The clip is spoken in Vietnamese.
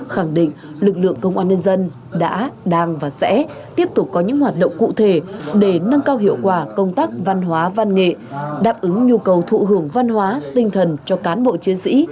khẳng định lực lượng công an nhân dân đã đang và sẽ tiếp tục có những hoạt động cụ thể để nâng cao hiệu quả công tác văn hóa văn nghệ đáp ứng nhu cầu thụ hưởng văn hóa tinh thần cho cán bộ chiến sĩ